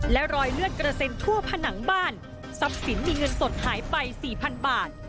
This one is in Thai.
และรอยเลือดกระเซ็นทั่วผนังบ้านทรัพย์สินมีเงินสดหายไปสี่พันบาท